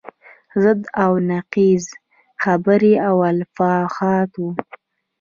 ضد و نقیض خبرې او افواهات وو.